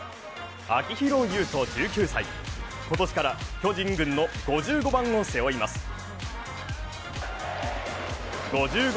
秋広優人１９歳、今年から巨人軍の５５番を背負います。